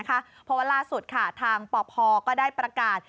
เพราะว่าล่าสุดทางปพก็ได้ประกาศ